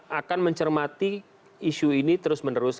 gini cnn akan mencermati isu ini terus menerus